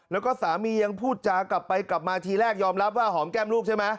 แล้วก็สามียังพูดจากับไปกลับมาทีแรกยอมรับว่าหอมแก้มลูกใช่ไหม